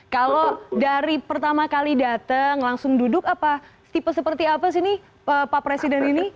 kalau dari pertama kali datang langsung duduk apa tipe seperti apa sih nih pak presiden ini